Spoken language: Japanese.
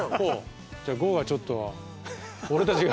じゃあ剛がちょっと「俺達が」